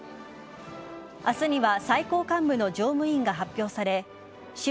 明日には最高幹部の常務委員が発表され習